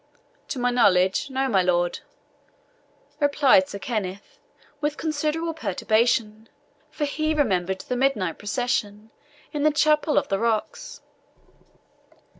"To my knowledge no, my lord," replied Sir Kenneth, with considerable perturbation, for he remembered the midnight procession in the chapel of the rocks.